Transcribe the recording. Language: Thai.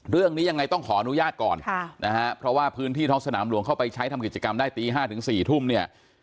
เรื่องนี้ยังไงต้องขออนุญาตก่อนนะฮะเพราะว่าพื้นที่ท้องสนามหลวงเข้าไปใช้ทำกิจกรรมได้ตี๕ถึง๔ทุ่มเนี่ย